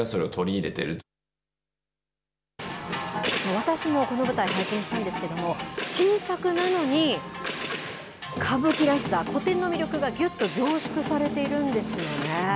私もこの舞台拝見したんですけれども新作なのに歌舞伎らしさ、古典の魅力がぎゅっと凝縮されているんですよね。